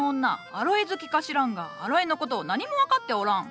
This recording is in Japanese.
アロエ好きか知らんがアロエの事を何も分かっておらん。